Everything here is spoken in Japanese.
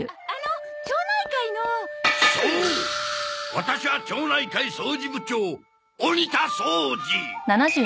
ワタシは町内会掃除部長鬼田そうじ。